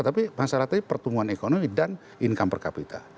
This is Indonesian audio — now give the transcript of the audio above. tapi masalah tadi pertumbuhan ekonomi dan income per capita